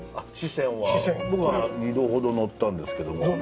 支線は僕は２度ほど乗ったんですけども。